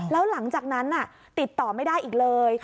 แล้วหลังจากนั้นติดต่อไม่ได้อีกเลย